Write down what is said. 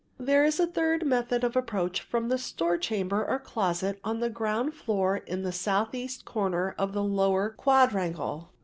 "'There is a third method of approach from the store chamber or closet on the ground floor in the southeast corner of the lower quadrangle.